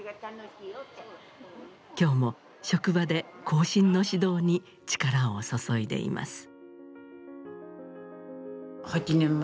今日も職場で後進の指導に力を注いでいます。